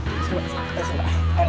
terusin ayo pak